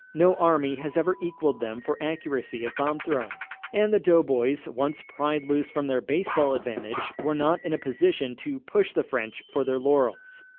No army has ever equalled them for accuracy of bomb throwing, and the doughboys, once pried loose from their baseball advantage, were not in a position to push the French for their laurels.